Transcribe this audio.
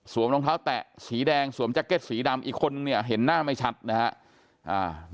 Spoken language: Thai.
สวมน้องเท้าแตะสีแดงสวมแจ๊กเก็ตสีดำอีกคนเนี่ยเห็นหน้าไม่ชัดนะฮะ